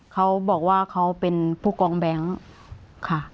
เขาบอกว่าเขาเป็นผู้กองแบงค์ค่ะ